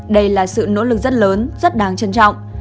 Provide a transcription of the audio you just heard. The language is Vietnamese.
đây là sự nỗ lực rất lớn rất đáng trân trọng